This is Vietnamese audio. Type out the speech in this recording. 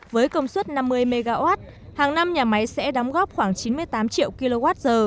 với công suất năm mươi mw hàng năm nhà máy sẽ đóng góp khoảng chín mươi tám triệu kwh